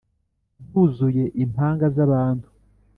rwuzuye impanga z' abantu